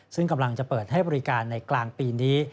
ซึ่งกำลังจะเปิดให้บริการในกลางปีนี้